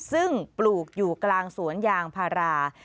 ซึ่งปลูกอยู่กลางสวนยางพารา